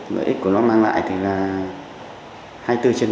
lợi ích của nó mang lại thì là hai mươi bốn trên bảy mươi